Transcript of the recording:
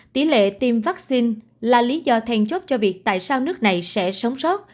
tỷ lệ tiêm vaccine là lý do thèn chốt cho việc tại sao nước này sẽ sống sót